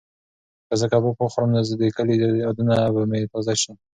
که زه کباب وخورم نو د کلي یادونه به مې تازه شي.